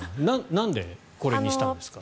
なんでこれにしたんですか？